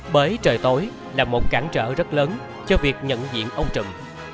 bởi trời tối là một cản trở rất lớn cho việc nhận diện ông trùm